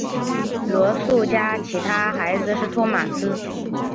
罗素家其他孩子是托马斯。